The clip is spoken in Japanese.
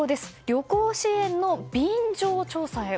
旅行支援の便乗調査へ。